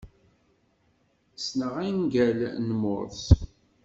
Ssneɣ angal n Morse.